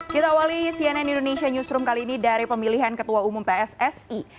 kita awali cnn indonesia newsroom kali ini dari pemilihan ketua umum pssi